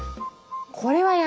これはやる。